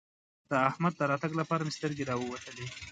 د احمد د راتګ لپاره مې سترګې راووتلې.